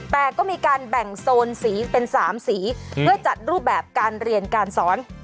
แต่ก็มีการแบ่งโซนสีเป็น๓สีเพื่อจัดรูปแบบการเรียนการสอน